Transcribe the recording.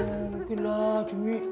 gak mungkin lah jumi